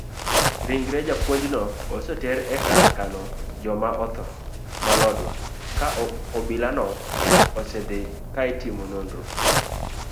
Ringre japuonjno oseter ekar kano joma otho ma lodwa ka obilano osendhi kaitimone nonro.